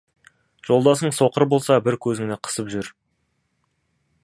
Жолдасың соқыр болса, бір көзіңді қысып жүр.